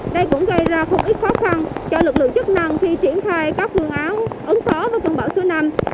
đây cũng gây ra không ít khó khăn cho lực lượng chức năng khi triển khai các phương án ứng phó với cơn bão số năm